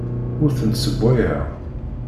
Ur tent-ssewwayeɣ.